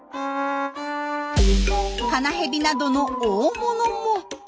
カナヘビなどの大物も。